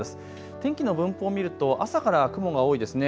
天気の分布を見ると朝から雲が多いですね。